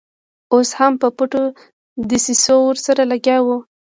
اوس هم په پټو دسیسو ورسره لګیا دي.